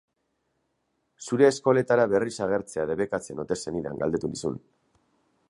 Zure eskoletara berriz agertzea debekatzen ote zenidan galdetu nizun.